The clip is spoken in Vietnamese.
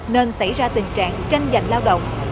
nên xảy ra tình trạng tranh giành lao động